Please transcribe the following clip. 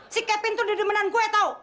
si kevin tuh dedemenan gue tau